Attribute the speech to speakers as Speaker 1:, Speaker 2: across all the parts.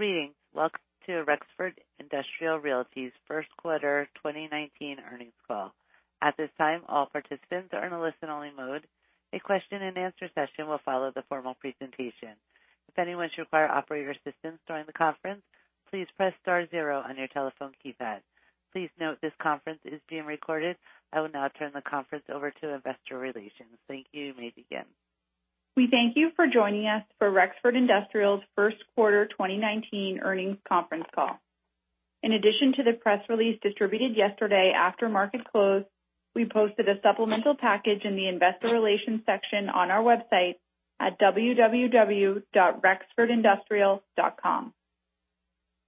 Speaker 1: Greetings. Welcome to Rexford Industrial Realty's first quarter 2019 earnings call. At this time, all participants are in a listen-only mode. A question-and-answer session will follow the formal presentation. If anyone should require operator assistance during the conference, please press star zero on your telephone keypad. Please note this conference is being recorded. I will now turn the conference over to Investor Relations. Thank you. You may begin.
Speaker 2: We thank you for joining us for Rexford Industrial's first quarter 2019 earnings conference call. In addition to the press release distributed yesterday after market close, we posted a supplemental package in the investor relations section on our website at www.rexfordindustrial.com.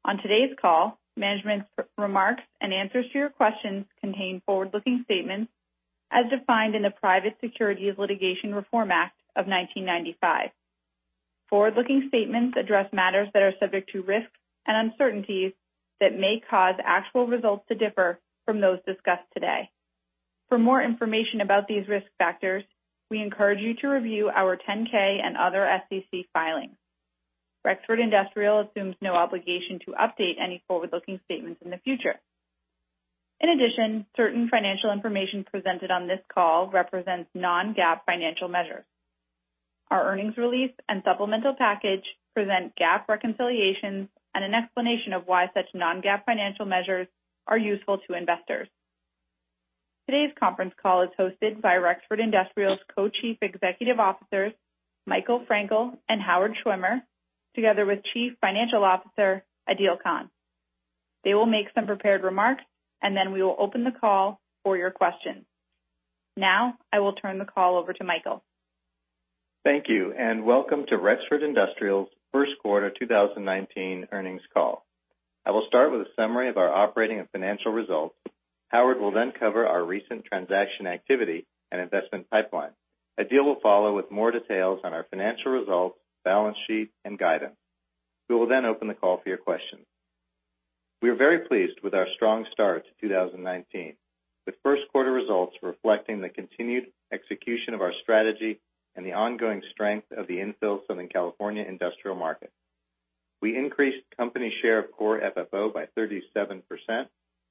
Speaker 2: On today's call, management remarks and answers to your questions contain forward-looking statements as defined in the Private Securities Litigation Reform Act of 1995. Forward-looking statements address matters that are subject to risks and uncertainties that may cause actual results to differ from those discussed today. For more information about these risk factors, we encourage you to review our 10-K and other SEC filings. Rexford Industrial assumes no obligation to update any forward-looking statements in the future. In addition, certain financial information presented on this call represents non-GAAP financial measures. Our earnings release and supplemental package present GAAP reconciliations and an explanation of why such non-GAAP financial measures are useful to investors. Today's conference call is hosted by Rexford Industrial's Co-chief Executive Officers, Michael Frankel and Howard Schwimmer, together with Chief Financial Officer, Adeel Khan. They will make some prepared remarks. Then we will open the call for your questions. Now, I will turn the call over to Michael.
Speaker 3: Thank you. Welcome to Rexford Industrial's first quarter 2019 earnings call. I will start with a summary of our operating and financial results. Howard will then cover our recent transaction activity and investment pipeline. Adeel will follow with more details on our financial results, balance sheet, and guidance. We will then open the call for your questions. We are very pleased with our strong start to 2019. The first quarter results reflecting the continued execution of our strategy and the ongoing strength of the infill Southern California industrial market. We increased company share of Core FFO by 37%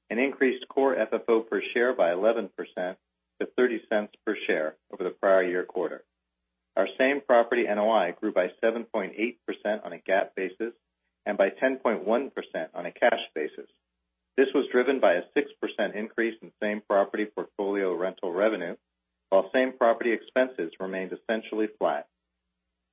Speaker 3: and increased Core FFO per share by 11% to $0.30 per share over the prior year quarter. Our same property NOI grew by 7.8% on a GAAP basis and by 10.1% on a cash basis. This was driven by a 6% increase in same property portfolio rental revenue, while same property expenses remained essentially flat.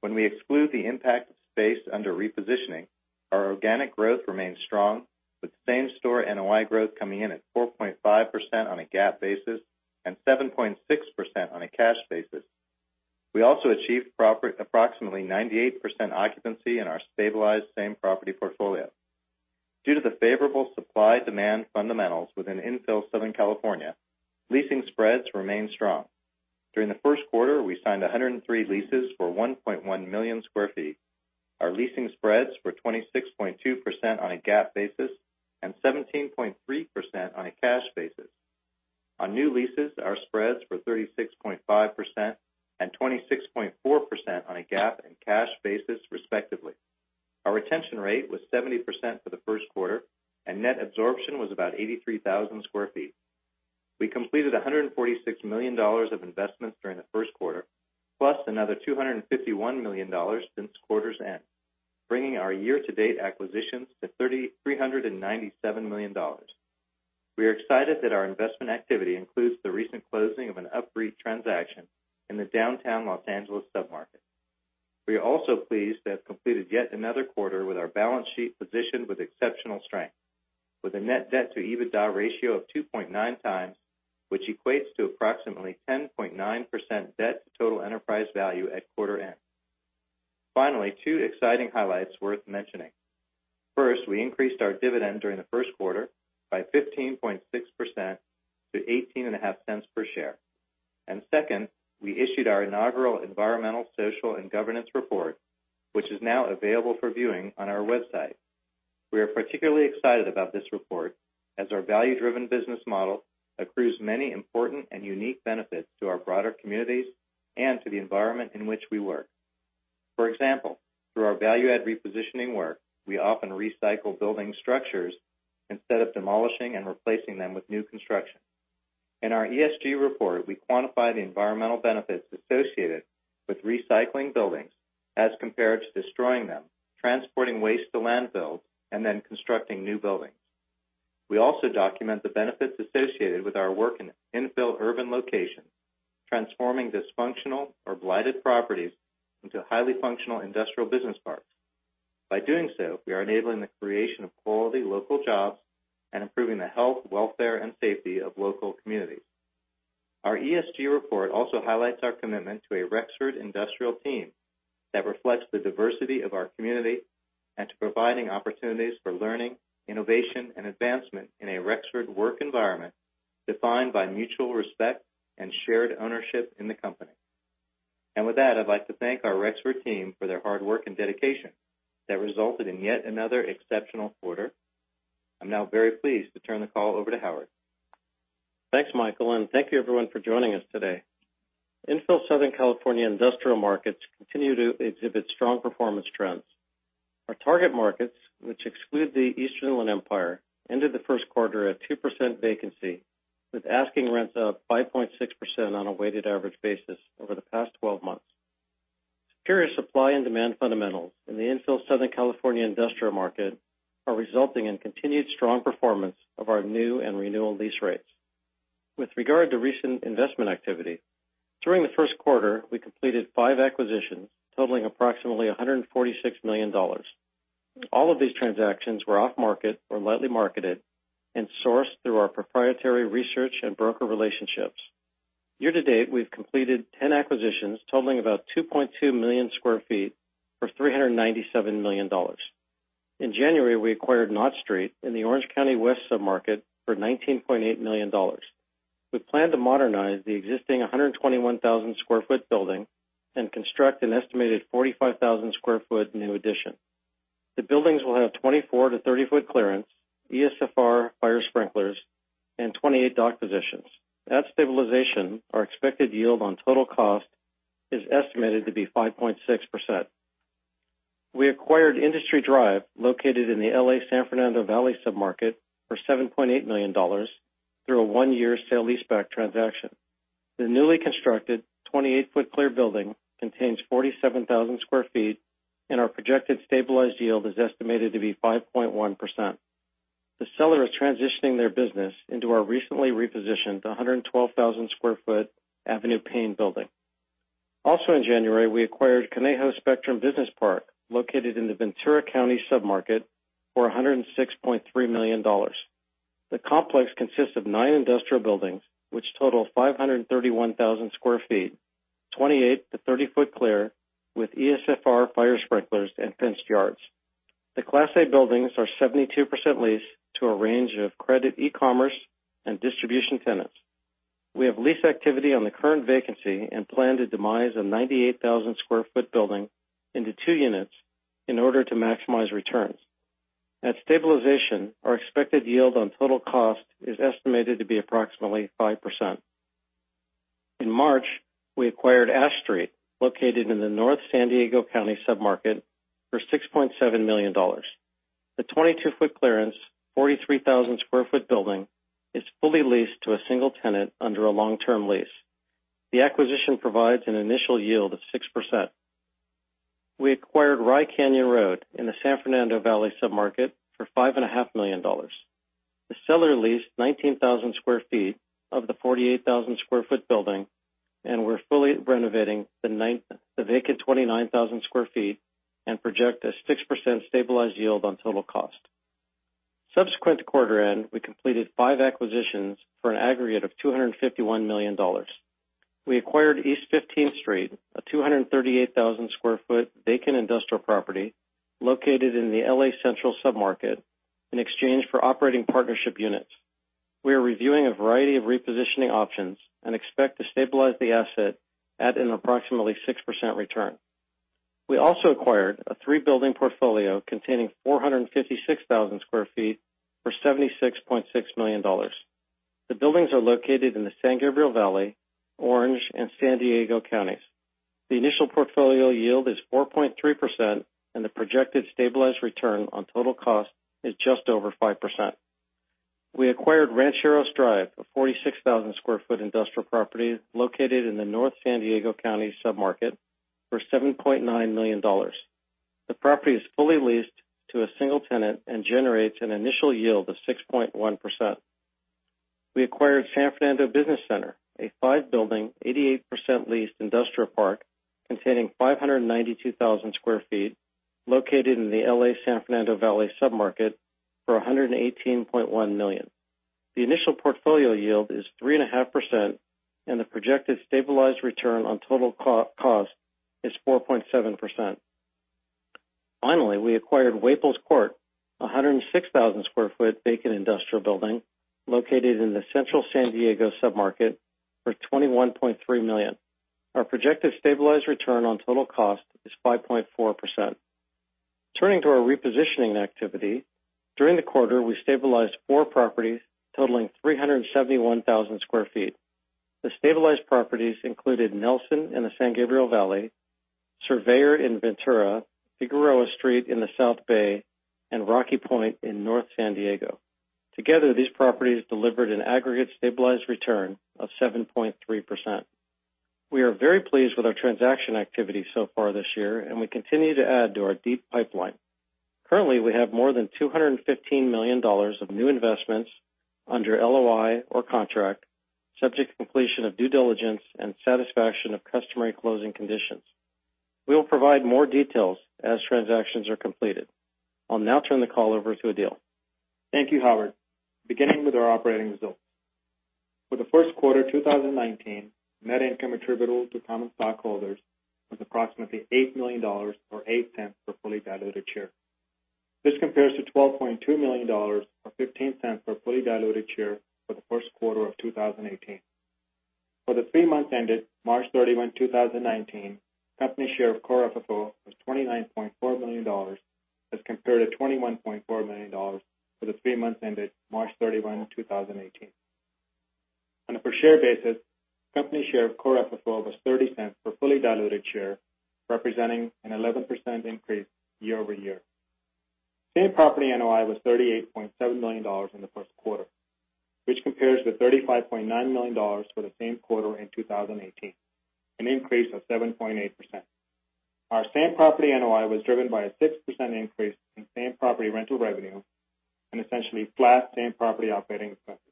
Speaker 3: When we exclude the impact of space under repositioning, our organic growth remains strong, with same store NOI growth coming in at 4.5% on a GAAP basis and 7.6% on a cash basis. We also achieved approximately 98% occupancy in our stabilized same property portfolio. Due to the favorable supply-demand fundamentals within infill Southern California, leasing spreads remain strong. During the first quarter, we signed 103 leases for 1.1 million sq ft. Our leasing spreads were 26.2% on a GAAP basis and 17.3% on a cash basis. On new leases, our spreads were 36.5% and 26.4% on a GAAP and cash basis, respectively. Our retention rate was 70% for the first quarter, and net absorption was about 83,000 sq ft. We completed $146 million of investments during the first quarter, plus another $251 million since quarter's end, bringing our year-to-date acquisitions to $397 million. We are excited that our investment activity includes the recent closing of an UPREIT transaction in the Downtown Los Angeles submarket. We are also pleased to have completed yet another quarter with our balance sheet positioned with exceptional strength, with a net debt to EBITDA ratio of 2.9 times, which equates to approximately 10.9% debt to total enterprise value at quarter end. Finally, two exciting highlights worth mentioning. First, we increased our dividend during the first quarter by 15.6% to $0.185 per share. Second, we issued our inaugural environmental, social, and governance report, which is now available for viewing on our website. We are particularly excited about this report, as our value-driven business model accrues many important and unique benefits to our broader communities and to the environment in which we work. For example, through our value add repositioning work, we often recycle building structures instead of demolishing and replacing them with new construction. In our ESG report, we quantify the environmental benefits associated with recycling buildings as compared to destroying them, transporting waste to landfills, and then constructing new buildings. We also document the benefits associated with our work in infill urban locations, transforming dysfunctional or blighted properties into highly functional industrial business parks. By doing so, we are enabling the creation of quality local jobs and improving the health, welfare, and safety of local communities. Our ESG report also highlights our commitment to a Rexford Industrial team that reflects the diversity of our community and to providing opportunities for learning, innovation, and advancement in a Rexford work environment defined by mutual respect and shared ownership in the company. With that, I'd like to thank our Rexford team for their hard work and dedication that resulted in yet another exceptional quarter. I'm now very pleased to turn the call over to Howard.
Speaker 4: Thanks, Michael, and thank you everyone for joining us today. Infill Southern California industrial markets continue to exhibit strong performance trends. Our target markets, which exclude the Inland Empire, ended the first quarter at 2% vacancy, with asking rents up 5.6% on a weighted average basis over the past 12 months. Superior supply and demand fundamentals in the infill Southern California industrial market are resulting in continued strong performance of our new and renewal lease rates. With regard to recent investment activity, during the first quarter, we completed five acquisitions totaling approximately $146 million. All of these transactions were off-market or lightly marketed, and sourced through our proprietary research and broker relationships. Year-to-date, we've completed 10 acquisitions totaling about 2.2 million square feet for $397 million. In January, we acquired Knott Street in the Orange County West submarket for $19.8 million. We plan to modernize the existing 121,000 square foot building and construct an estimated 45,000 square foot new addition. The buildings will have 24 to 30-foot clearance, ESFR fire sprinklers, and 28 dock positions. At stabilization, our expected yield on total cost is estimated to be 5.6%. We acquired Industry Drive, located in the L.A. San Fernando Valley submarket, for $7.8 million through a one-year sale-leaseback transaction. The newly constructed 28-foot clear building contains 47,000 square feet, and our projected stabilized yield is estimated to be 5.1%. The seller is transitioning their business into our recently repositioned 112,000 square foot Avenue Paine Building. In January, we acquired Conejo Spectrum Business Park, located in the Ventura County submarket, for $106.3 million. The complex consists of nine industrial buildings, which total 531,000 square feet, 28 to 30 foot clear, with ESFR fire sprinklers and fenced yards. The class A buildings are 72% leased to a range of credit e-commerce and distribution tenants. We have lease activity on the current vacancy and plan to demise a 98,000 square foot building into two units in order to maximize returns. At stabilization, our expected yield on total cost is estimated to be approximately 5%. In March, we acquired Ash Street, located in the North San Diego County submarket, for $6.7 million. The 22-foot clearance, 43,000 square foot building is fully leased to a single tenant under a long-term lease. The acquisition provides an initial yield of 6%. We acquired Rye Canyon Road in the San Fernando Valley submarket for $5.5 million. The seller leased 19,000 square feet of the 48,000 square foot building. We're fully renovating the vacant 29,000 square feet and project a 6% stabilized yield on total cost. Subsequent to quarter end, we completed five acquisitions for an aggregate of $251 million. We acquired East 15th Street, a 238,000 square foot vacant industrial property located in the L.A. Central submarket, in exchange for operating partnership units. We are reviewing a variety of repositioning options and expect to stabilize the asset at an approximately 6% return. We also acquired a three-building portfolio containing 456,000 square feet for $76.6 million. The buildings are located in the San Gabriel Valley, Orange, and San Diego Counties. The initial portfolio yield is 4.3%, and the projected stabilized return on total cost is just over 5%. We acquired Rancheros Drive, a 46,000 square foot industrial property located in the North San Diego County submarket, for $7.9 million. The property is fully leased to a single tenant and generates an initial yield of 6.1%. We acquired San Fernando Business Center, a five-building, 88% leased industrial park containing 592,000 sq ft located in the L.A. San Fernando Valley submarket for $118.1 million. The initial portfolio yield is 3.5%, and the projected stabilized return on total cost is 4.7%. Finally, we acquired Waples Court, a 106,000 sq ft vacant industrial building located in the Central San Diego submarket for $21.3 million. Our projected stabilized return on total cost is 5.4%. Turning to our repositioning activity, during the quarter, we stabilized four properties totaling 371,000 sq ft. The stabilized properties included Nelson in the San Gabriel Valley, Surveyor in Ventura, Figueroa Street in the South Bay, and Rocky Point in North San Diego. Together, these properties delivered an aggregate stabilized return of 7.3%. We are very pleased with our transaction activity so far this year, and we continue to add to our deep pipeline. Currently, we have more than $215 million of new investments under LOI or contract, subject to completion of due diligence and satisfaction of customary closing conditions. We will provide more details as transactions are completed. I'll now turn the call over to Adeel.
Speaker 5: Thank you, Howard. Beginning with our operating results. For the first quarter 2019, net income attributable to common stockholders was approximately $8 million, or $0.08 per fully diluted share. This compares to $12.2 million, or $0.15 per fully diluted share for the first quarter of 2018. For the three months ended March 31, 2019, company share of Core FFO was $29.4 million as compared to $21.4 million for the three months ended March 31, 2018. On a per share basis, company share of Core FFO was $0.30 per fully diluted share, representing an 11% increase year-over-year. Same property NOI was $38.7 million in the first quarter, which compares with $35.9 million for the same quarter in 2018, an increase of 7.8%. Our same property NOI was driven by a 6% increase in same property rental revenue and essentially flat same property operating expenses.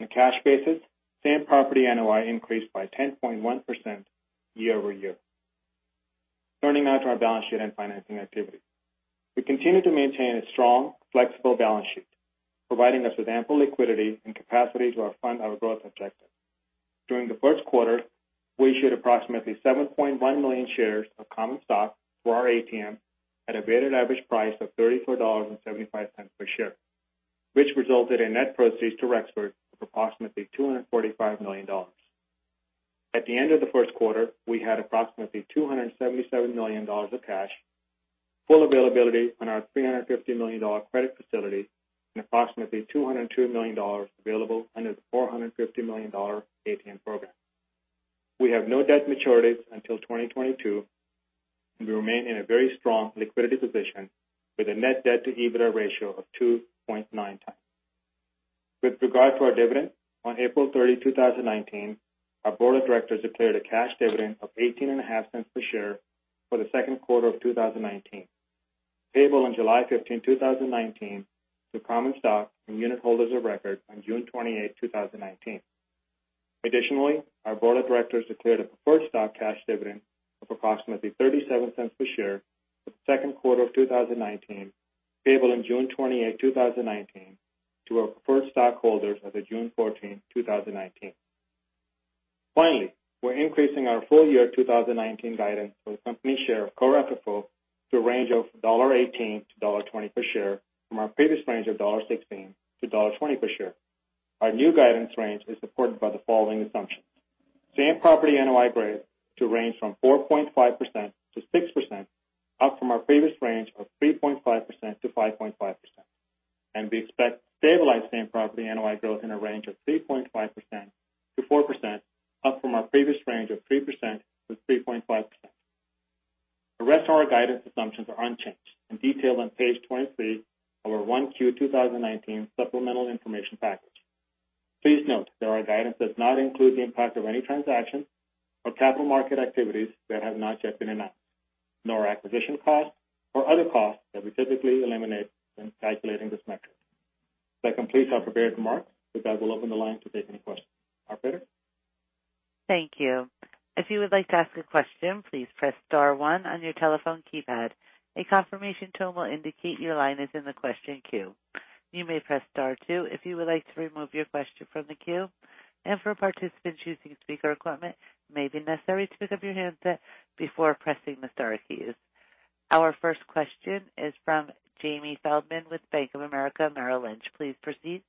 Speaker 5: On a cash basis, same property NOI increased by 10.1% year-over-year. Turning now to our balance sheet and financing activity. We continue to maintain a strong, flexible balance sheet, providing us with ample liquidity and capacity to fund our growth objectives. During the first quarter, we issued approximately 7.1 million shares of common stock through our ATM at a weighted average price of $34.75 per share, which resulted in net proceeds to Rexford of approximately $245 million. At the end of the first quarter, we had approximately $277 million of cash, full availability on our $350 million credit facility, and approximately $202 million available under the $450 million ATM program. We have no debt maturities until 2022, and we remain in a very strong liquidity position with a net debt to EBITDA ratio of 2.9 times. With regard to our dividend, on April 30, 2019, our board of directors declared a cash dividend of $0.185 per share for the second quarter of 2019, payable on July 15, 2019, to common stock and unit holders of record on June 28, 2019. Additionally, our board of directors declared a preferred stock cash dividend of approximately $0.37 per share for the second quarter of 2019, payable on June 28, 2019, to our preferred stockholders as of June 14, 2019. Finally, we're increasing our full year 2019 guidance for the company share of Core FFO to a range of $1.18-$1.20 per share from our previous range of $1.16-$1.20 per share. Our new guidance range is supported by the following assumptions. Same property NOI growth to range from 4.5%-6%, up from our previous range of 3.5%-5.5%. We expect stabilized same property NOI growth in a range of 3.5%-4%, up from our previous range of 3%-3.5%. The rest of our guidance assumptions are unchanged and detailed on page 23 of our 1Q 2019 supplemental information package. Please note that our guidance does not include the impact of any transaction or capital market activities that have not yet been announced, nor acquisition costs or other costs that we typically eliminate when calculating this metric. That completes our prepared remarks. With that, we'll open the line to take any questions. Operator?
Speaker 1: Thank you. If you would like to ask a question, please press star one on your telephone keypad. A confirmation tone will indicate your line is in the question queue. You may press star two if you would like to remove your question from the queue. For participants choosing speaker equipment, it may be necessary to pick up your handset before pressing the star keys. Our first question is from Jamie Feldman with Bank of America Merrill Lynch. Please proceed.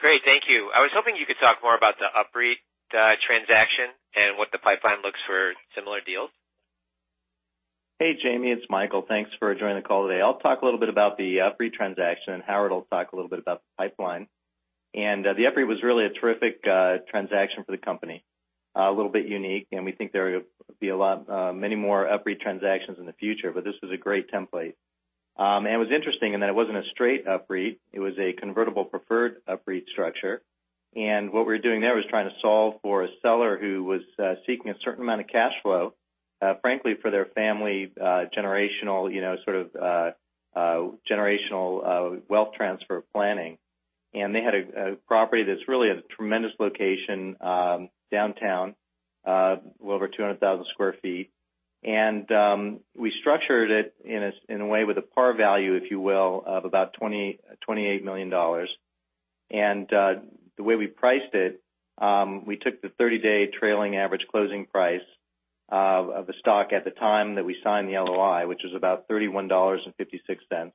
Speaker 6: Great. Thank you. I was hoping you could talk more about the UPREIT transaction and what the pipeline looks for similar deals.
Speaker 3: Hey, Jamie, it's Michael. Thanks for joining the call today. I'll talk a little bit about the UPREIT transaction. Howard will talk a little bit about the pipeline. The UPREIT was really a terrific transaction for the company. A little bit unique, and we think there will be many more UPREIT transactions in the future, but this was a great template. It was interesting in that it wasn't a straight UPREIT, it was a convertible preferred UPREIT structure. What we were doing there was trying to solve for a seller who was seeking a certain amount of cash flow, frankly, for their family generational wealth transfer planning. They had a property that's really in a tremendous location, downtown, well over 200,000 sq ft. We structured it in a way with a par value, if you will, of about $28 million. The way we priced it, we took the 30-day trailing average closing price of the stock at the time that we signed the LOI, which was about $31.56.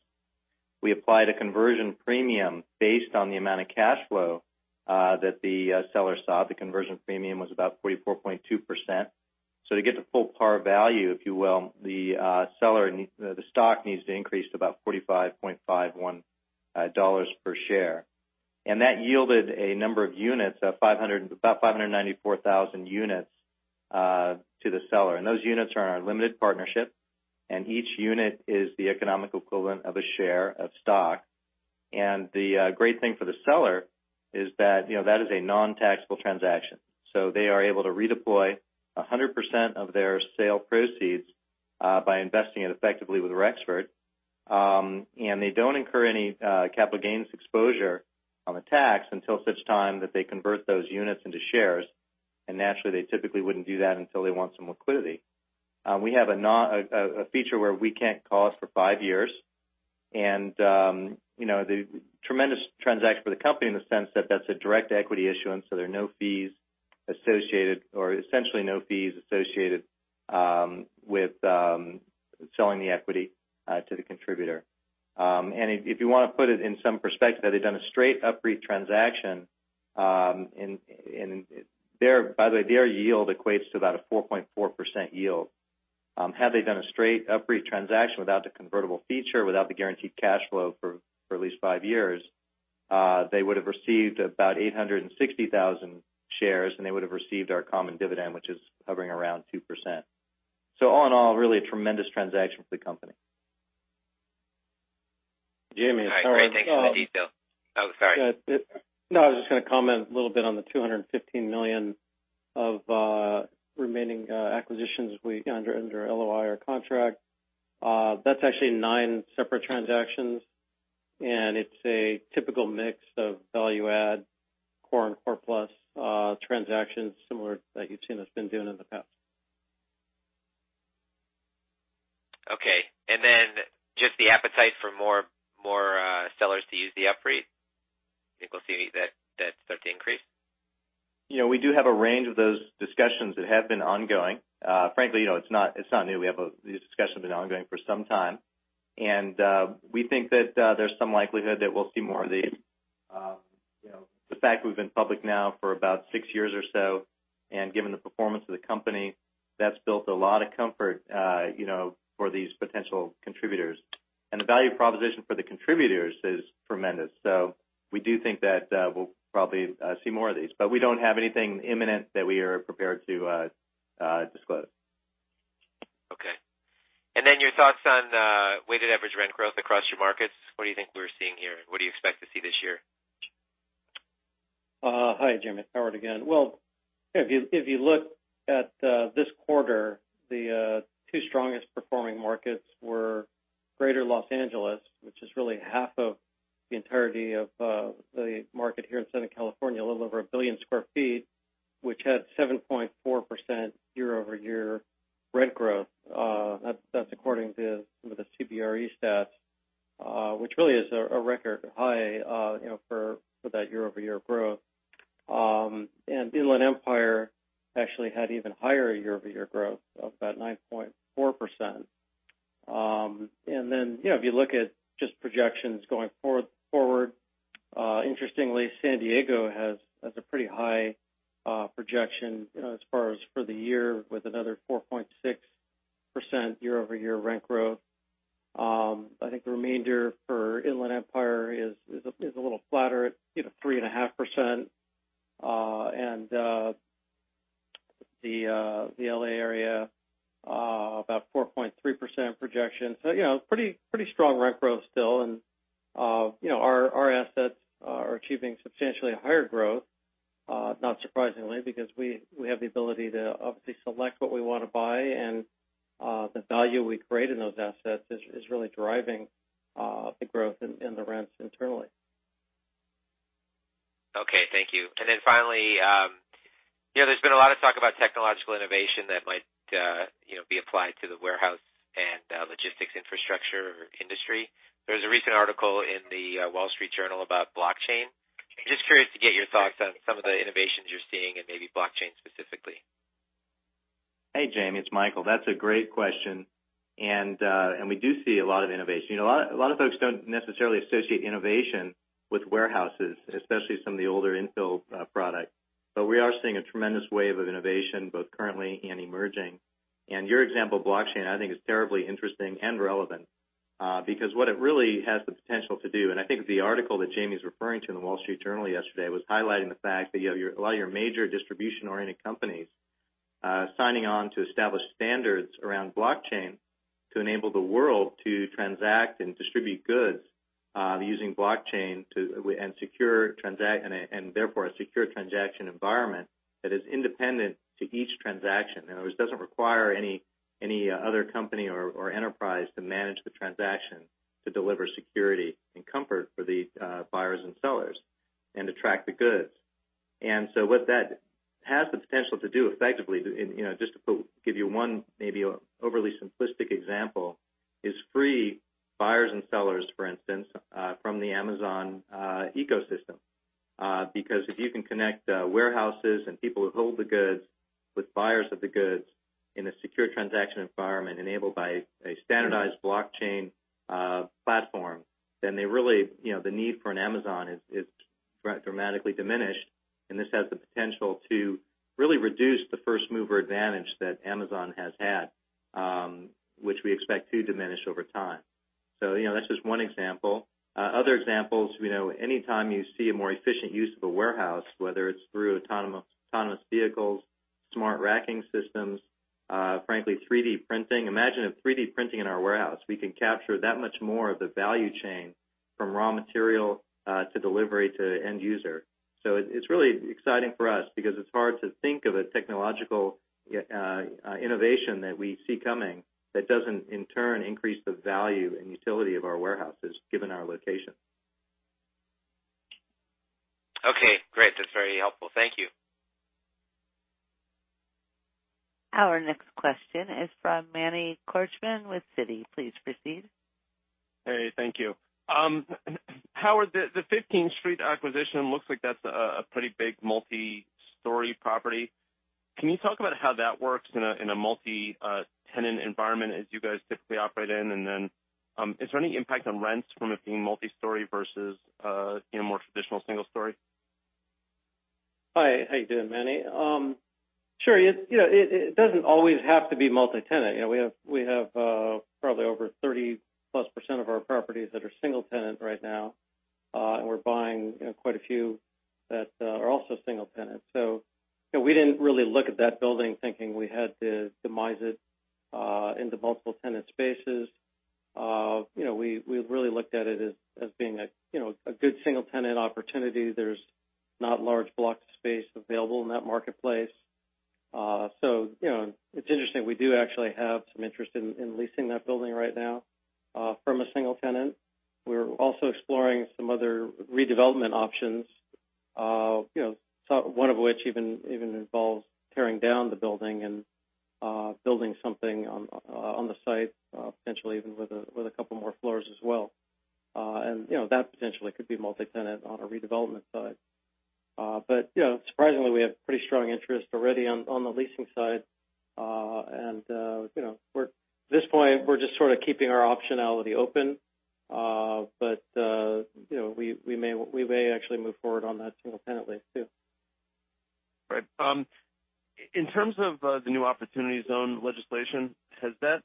Speaker 3: We applied a conversion premium based on the amount of cash flow that the seller sought. The conversion premium was about 44.2%. To get to full par value, if you will, the stock needs to increase to about $45.51 per share. That yielded a number of units, about 594,000 units to the seller. Those units are in our limited partnership, and each unit is the economic equivalent of a share of stock. The great thing for the seller is that is a non-taxable transaction. They are able to redeploy 100% of their sale proceeds by investing it effectively with Rexford.
Speaker 5: They don't incur any capital gains exposure on the tax until such time that they convert those units into shares. Naturally, they typically wouldn't do that until they want some liquidity. We have a feature where we can't call it for five years. The tremendous transaction for the company in the sense that that's a direct equity issuance, there are no fees.
Speaker 3: Associated, or essentially no fees associated with selling the equity to the contributor. If you want to put it in some perspective, they've done a straight UPREIT transaction. By the way, their yield equates to about a 4.4% yield. Had they done a straight UPREIT transaction without the convertible feature, without the guaranteed cash flow for at least five years, they would have received about 860,000 shares, and they would have received our common dividend, which is hovering around 2%. All in all, really a tremendous transaction for the company.
Speaker 4: Jamie, it's Howard.
Speaker 6: All right. Thanks for the detail. Oh, sorry.
Speaker 4: I was just going to comment a little bit on the $215 million of remaining acquisitions under LOI or contract. That's actually nine separate transactions. It's a typical mix of value add core and core plus transactions, similar that you've seen us been doing in the past.
Speaker 6: Okay. Just the appetite for more sellers to use the UPREIT? Think we'll see that start to increase?
Speaker 3: We do have a range of those discussions that have been ongoing. Frankly, it's not new. These discussions have been ongoing for some time. We think that there's some likelihood that we'll see more of these. The fact we've been public now for about six years or so, and given the performance of the company, that's built a lot of comfort for these potential contributors. The value proposition for the contributors is tremendous. We do think that we'll probably see more of these. We don't have anything imminent that we are prepared to disclose.
Speaker 6: Okay. Your thoughts on weighted average rent growth across your markets. What do you think we're seeing here? What do you expect to see this year?
Speaker 4: Hi, Jamie. It's Howard again. Well, if you look at this quarter, the two strongest performing markets were Greater Los Angeles, which is really half of the entirety of the market here in Southern California, a little over 1 billion square feet, which had 7.4% year-over-year rent growth. That's according to some of the CBRE stats, which really is a record high for that year-over-year growth. Inland Empire actually had even higher year-over-year growth of about 9.4%. If you look at just projections going forward, interestingly, San Diego has a pretty high projection as far as for the year, with another 4.6% year-over-year rent growth. I think the remainder for Inland Empire is a little flatter at 3.5%, and the L.A. area, about 4.3% projection. Pretty strong rent growth still, and our assets are achieving substantially higher growth, not surprisingly, because we have the ability to obviously select what we want to buy and the value we create in those assets is really driving the growth in the rents internally.
Speaker 6: Finally, there's been a lot of talk about technological innovation that might be applied to the warehouse and logistics infrastructure industry. There was a recent article in The Wall Street Journal about blockchain. Just curious to get your thoughts on some of the innovations you're seeing and maybe blockchain specifically.
Speaker 3: Hey, Jamie, it's Michael. That's a great question. We do see a lot of innovation. A lot of folks don't necessarily associate innovation with warehouses, especially some of the older infill product. We are seeing a tremendous wave of innovation, both currently and emerging. Your example of blockchain, I think, is terribly interesting and relevant. What it really has the potential to do, I think the article that Jamie's referring to in The Wall Street Journal yesterday, was highlighting the fact that you have a lot of your major distribution-oriented companies signing on to establish standards around blockchain to enable the world to transact and distribute goods using blockchain, and therefore a secure transaction environment that is independent to each transaction. In other words, doesn't require any other company or enterprise to manage the transaction to deliver security and comfort for the buyers and sellers and to track the goods. What that has the potential to do effectively, just to give you one maybe overly simplistic example, is free buyers and sellers, for instance, from the Amazon ecosystem. Because if you can connect warehouses and people who hold the goods with buyers of the goods in a secure transaction environment enabled by a standardized blockchain platform, really, the need for an Amazon is dramatically diminished. This has the potential to really reduce the first-mover advantage that Amazon has had, which we expect to diminish over time. That's just one example. Other examples, anytime you see a more efficient use of a warehouse, whether it's through autonomous vehicles, smart racking systems, frankly, 3D printing. Imagine if 3D printing in our warehouse. We can capture that much more of the value chain from raw material to delivery to the end user. It's really exciting for us because it's hard to think of a technological innovation that we see coming that doesn't in turn increase the value and utility of our warehouses, given our location.
Speaker 6: Okay, great. That's very helpful. Thank you.
Speaker 1: Our next question is from Manny Korchman with Citi. Please proceed.
Speaker 7: Hey, thank you. Howard, the 15th Street acquisition looks like that's a pretty big multi-story property. Can you talk about how that works in a multi-tenant environment as you guys typically operate in? Then, is there any impact on rents from it being multi-story versus a more traditional single story?
Speaker 4: Hi, how you doing, Manny? Sure. It doesn't always have to be multi-tenant. We have probably over 30+% of our properties that are single-tenant right now. We're buying quite a few that are also single-tenant. We didn't really look at that building thinking we had to demise it into multiple tenant spaces. We really looked at it as being a good single-tenant opportunity. There's not large blocks of space available in that marketplace. It's interesting, we do actually have some interest in leasing that building right now from a single tenant. We're also exploring some other redevelopment options, one of which even involves tearing down the building and building something on the site, potentially even with a couple more floors as well. That potentially could be multi-tenant on a redevelopment side. Surprisingly, we have pretty strong interest already on the leasing side. At this point, we're just sort of keeping our optionality open. We may actually move forward on that single tenant lease too.
Speaker 7: Right. In terms of the new Opportunity Zone legislation, has that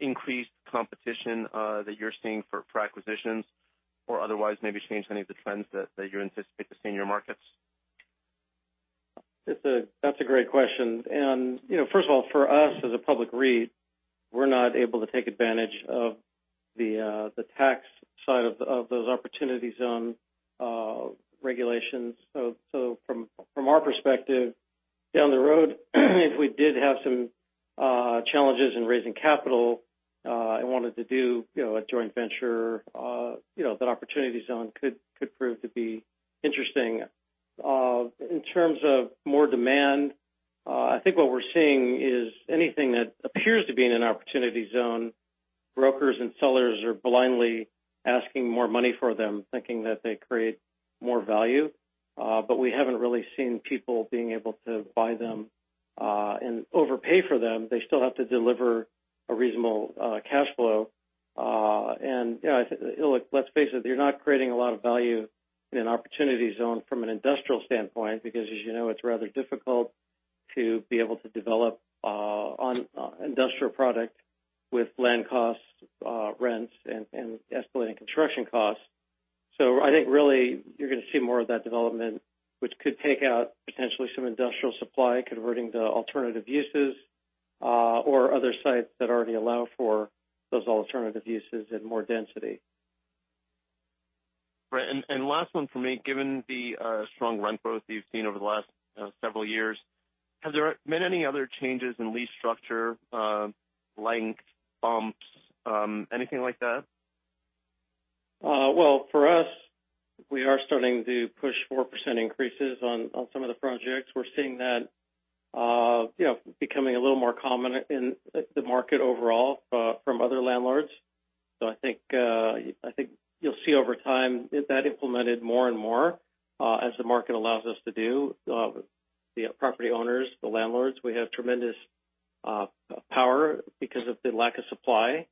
Speaker 7: increased competition that you're seeing for acquisitions or otherwise maybe changed any of the trends that you anticipate to see in your markets?
Speaker 4: That's a great question. First of all, for us as a public REIT, we're not able to take advantage of the tax side of those Opportunity Zone regulations. From our perspective, down the road, if we did have some challenges in raising capital and wanted to do a joint venture, that Opportunity Zone could prove to be interesting. In terms of more demand, I think what we're seeing is anything that appears to be in an Opportunity Zone, brokers and sellers are blindly asking more money for them, thinking that they create more value. We haven't really seen people being able to buy them and overpay for them. They still have to deliver a reasonable cash flow. Let's face it, you're not creating a lot of value in an Opportunity Zone from an industrial standpoint, because as you know, it's rather difficult to be able to develop on industrial product with land costs, rents, and escalating construction costs. I think really, you're going to see more of that development, which could take out potentially some industrial supply converting to alternative uses or other sites that already allow for those alternative uses and more density.
Speaker 7: last one from me. Given the strong rent growth that you've seen over the last several years, have there been any other changes in lease structure, length, bumps, anything like that?
Speaker 4: Well, for us, we are starting to push 4% increases on some of the projects. We're seeing that becoming a little more common in the market overall from other landlords. I think you'll see over time that implemented more and more as the market allows us to do. The property owners, the landlords, we have tremendous power because of the lack of supply.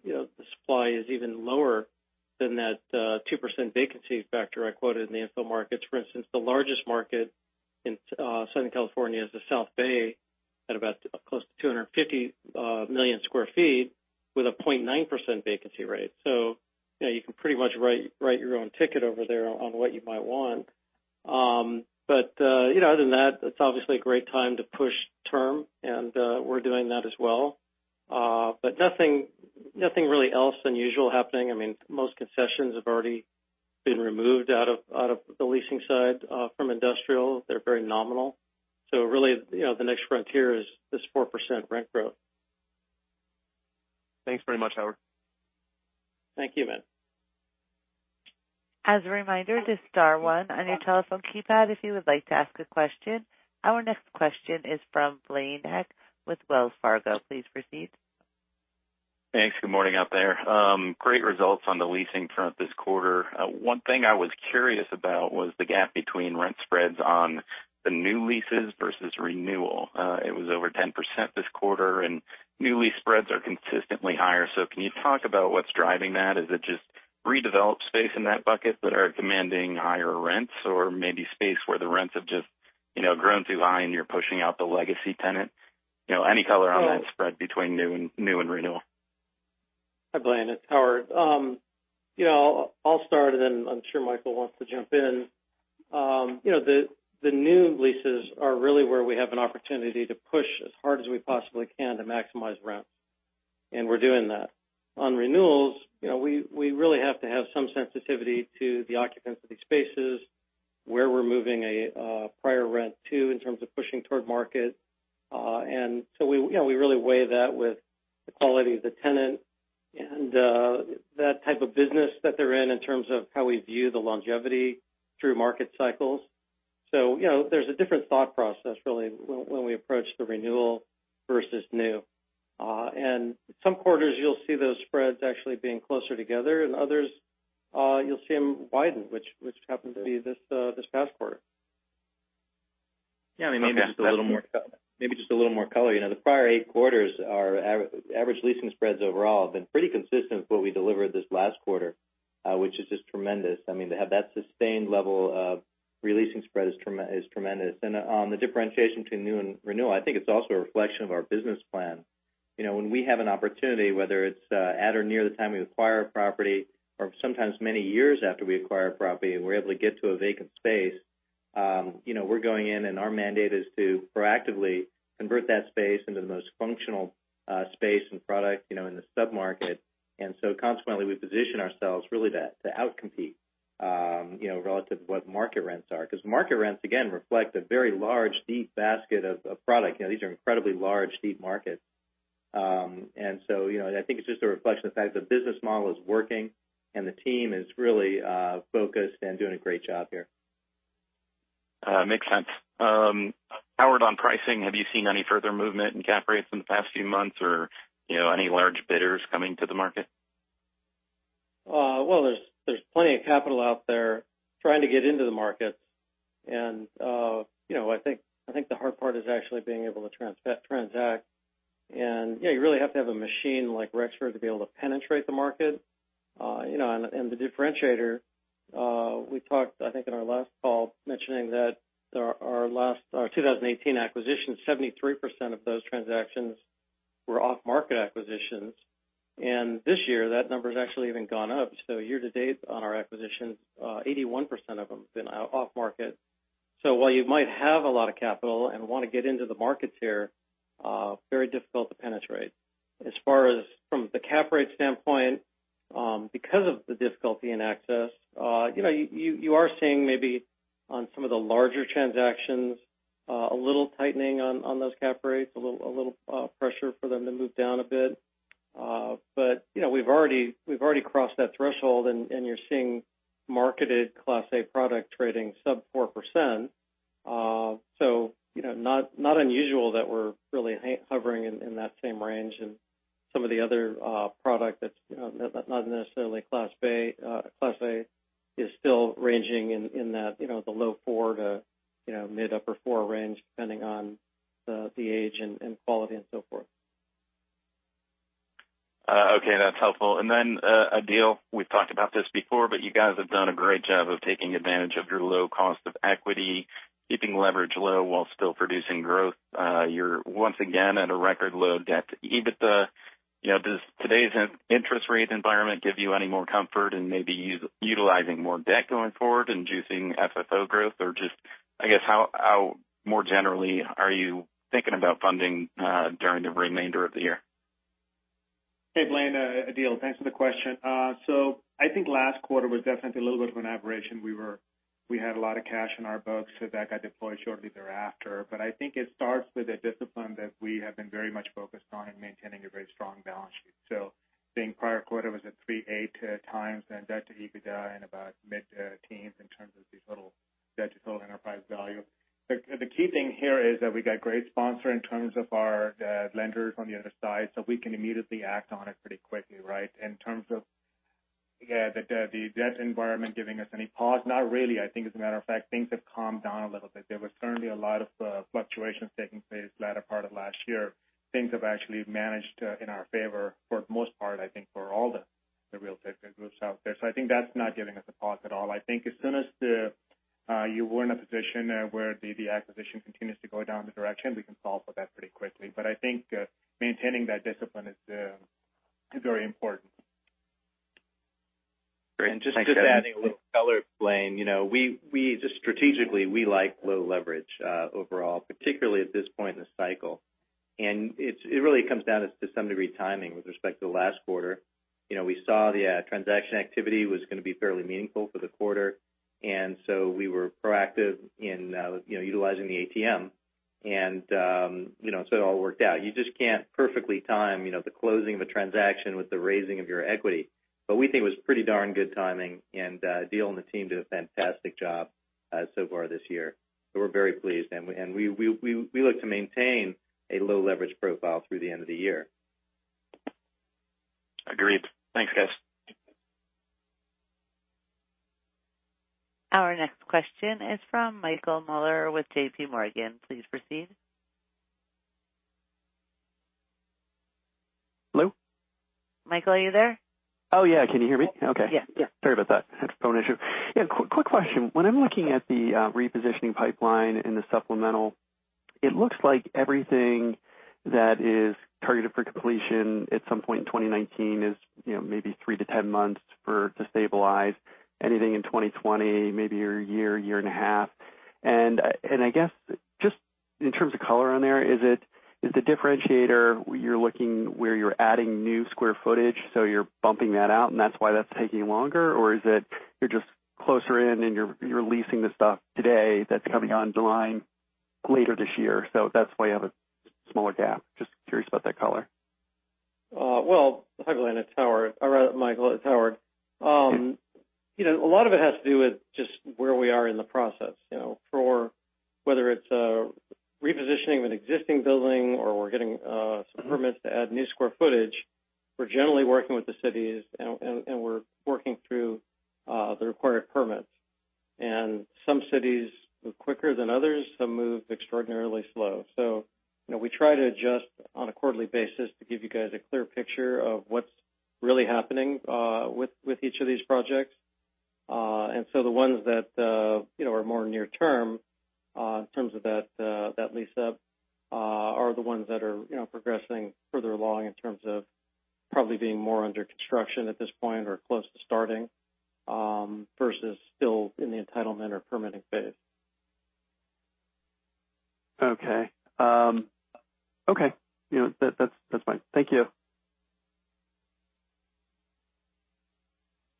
Speaker 4: In a lot of these markets, the supply is even lower than that 2% vacancy factor I quoted in the info markets. For instance, the largest market in Southern California is the South Bay at about close to 250 million sq ft with a 0.9% vacancy rate. You can pretty much write your own ticket over there on what you might want. Other than that, it's obviously a great time to push term, and we're doing that as well. Nothing really else unusual happening. Most concessions have already been removed out of the leasing side from industrial. They're very nominal. Really, the next frontier is this 4% rent growth.
Speaker 7: Thanks very much, Howard.
Speaker 4: Thank you, Manny.
Speaker 1: As a reminder, just star one on your telephone keypad if you would like to ask a question. Our next question is from Blaine Heck with Wells Fargo. Please proceed.
Speaker 8: Thanks. Good morning out there. Great results on the leasing front this quarter. One thing I was curious about was the gap between rent spreads on the new leases versus renewal. It was over 10% this quarter, new lease spreads are consistently higher. Can you talk about what's driving that? Is it just redeveloped space in that bucket that are commanding higher rents? Or maybe space where the rents have just grown through line, you're pushing out the legacy tenant? Any color on that spread between new and renewal.
Speaker 4: Hi, Blaine, it's Howard. I'll start, then I'm sure Michael wants to jump in. The new leases are really where we have an opportunity to push as hard as we possibly can to maximize rents, and we're doing that. On renewals, we really have to have some sensitivity to the occupancy spaces, where we're moving a prior rent to in terms of pushing toward market. We really weigh that with the quality of the tenant and that type of business that they're in terms of how we view the longevity through market cycles. There's a different thought process, really, when we approach the renewal versus new. Some quarters you'll see those spreads actually being closer together and others you'll see them widen, which happened to be this past quarter.
Speaker 3: Yeah. Maybe just a little more color. The prior 8 quarters, our average leasing spreads overall have been pretty consistent with what we delivered this last quarter, which is just tremendous. To have that sustained level of re-leasing spread is tremendous. On the differentiation between new and renewal, I think it's also a reflection of our business plan. When we have an opportunity, whether it's at or near the time we acquire a property, or sometimes many years after we acquire a property, and we're able to get to a vacant space, we're going in and our mandate is to proactively convert that space into the most functional space and product in the submarket. Consequently, we position ourselves really to out-compete relative to what market rents are. Because market rents, again, reflect a very large, deep basket of product. These are incredibly large, deep markets. I think it's just a reflection of the fact the business model is working and the team is really focused and doing a great job here.
Speaker 8: Makes sense. Howard, on pricing, have you seen any further movement in cap rates in the past few months or any large bidders coming to the market?
Speaker 4: Well, there's plenty of capital out there trying to get into the markets and I think the hard part is actually being able to transact. You really have to have a machine like Rexford to be able to penetrate the market. The differentiator, we talked, I think, in our last call mentioning that our 2018 acquisitions, 73% of those transactions were off-market acquisitions. This year, that number's actually even gone up. Year to date on our acquisitions, 81% of them have been off-market. While you might have a lot of capital and want to get into the markets here, very difficult to penetrate. As far as from the cap rate standpoint, because of the difficulty in access, you are seeing maybe on some of the larger transactions, a little tightening on those cap rates, a little pressure for them to move down a bit. We've already crossed that threshold. You're seeing marketed Class A product trading sub 4%. Not unusual that we're really hovering in that same range. Some of the other product that's not necessarily Class A is still ranging in the low 4% to mid-upper 4% range, depending on the age and quality and so forth.
Speaker 8: Okay, that's helpful. Adeel, we've talked about this before. You guys have done a great job of taking advantage of your low cost of equity, keeping leverage low while still producing growth. You're once again at a record low debt to EBITDA. Does today's interest rate environment give you any more comfort in maybe utilizing more debt going forward, inducing FFO growth? Just, I guess, how more generally are you thinking about funding during the remainder of the year?
Speaker 5: Hey, Blaine, Adeel. Thanks for the question. I think last quarter was definitely a little bit of an aberration. We had a lot of cash in our books. That got deployed shortly thereafter. I think it starts with a discipline that we have been very much focused on in maintaining a very strong balance sheet. I think prior quarter was at 3.8 times and debt to EBITDA in about mid-teens in terms of the total debt to total enterprise value. The key thing here is that we got great sponsor in terms of our lenders on the other side. We can immediately act on it pretty quickly, right? In terms of the debt environment giving us any pause, not really. I think as a matter of fact, things have calmed down a little bit. There was certainly a lot of fluctuations taking place latter part of last year. Things have actually managed in our favor for the most part, I think, for all the real estate groups out there. I think that's not giving us a pause at all. I think as soon as you were in a position where the acquisition continues to go down the direction, we can solve for that pretty quickly. I think maintaining that discipline is very important.
Speaker 4: Great. Thanks, Adeel. Just adding a little color, Blaine. Just strategically, we like low leverage overall, particularly at this point in the cycle. It really comes down to some degree timing with respect to last quarter. We saw the transaction activity was going to be fairly meaningful for the quarter, and so we were proactive in utilizing the ATM. It all worked out. You just can't perfectly time the closing of a transaction with the raising of your equity. We think it was pretty darn good timing, and Adeel and the team did a fantastic job so far this year. We're very pleased, and we look to maintain a low leverage profile through the end of the year.
Speaker 8: Agreed. Thanks, guys.
Speaker 1: Our next question is from Michael Mueller with JPMorgan. Please proceed.
Speaker 9: Hello?
Speaker 1: Michael, are you there?
Speaker 9: Oh, yeah. Can you hear me?
Speaker 1: Yes.
Speaker 9: Okay. Sorry about that. Had a phone issue. Yeah, quick question. When I'm looking at the repositioning pipeline in the supplemental, it looks like everything that is targeted for completion at some point in 2019 is maybe three to 10 months for it to stabilize. Anything in 2020, maybe a year and a half. I guess just in terms of color on there, is the differentiator where you're adding new square footage, so you're bumping that out and that's why that's taking longer, or is it you're just closer in and you're leasing the stuff today that's coming online later this year, so that's why you have a smaller gap? Just curious about that color.
Speaker 4: Well, hi, Michael, it's Howard. A lot of it has to do with just where we are in the process. For whether it's repositioning of an existing building or we're getting some permits to add new square footage, we're generally working with the cities and we're working through the required permits. Some cities move quicker than others, some move extraordinarily slow. We try to adjust on a quarterly basis to give you guys a clear picture of what's really happening with each of these projects. The ones that are more near term in terms of that lease up are the ones that are progressing further along in terms of probably being more under construction at this point or close to starting versus still in the entitlement or permitting phase.
Speaker 9: Okay. That's fine. Thank you.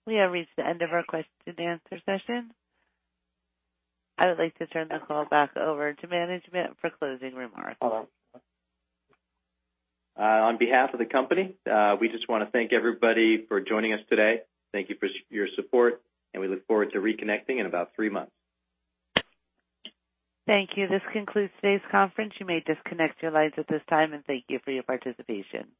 Speaker 1: We have reached the end of our question and answer session. I would like to turn the call back over to management for closing remarks.
Speaker 3: On behalf of the company, we just want to thank everybody for joining us today. Thank you for your support, and we look forward to reconnecting in about three months.
Speaker 1: Thank you. This concludes today's conference. You may disconnect your lines at this time, and thank you for your participation.